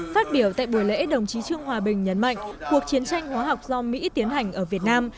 phát biểu tại buổi lễ đồng chí trương hòa bình nhấn mạnh cuộc chiến tranh hóa học do mỹ tiến hành ở việt nam